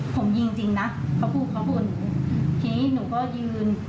ผมยิงจริงนะเขาพูดเขาพูดหนูทีนี้หนูก็ยืน